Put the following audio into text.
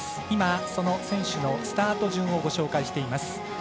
今、その選手のスタート順をご紹介しています。